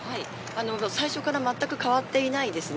最初からまったく変わっていないです。